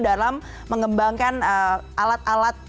dalam mengembangkan alat alat